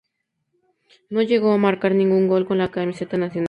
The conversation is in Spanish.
No llegó a marcar ningún gol con la camiseta nacional.